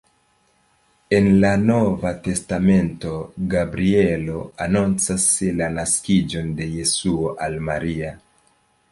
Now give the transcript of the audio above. En la nova testamento Gabrielo anoncas la naskiĝon de Jesuo al Maria.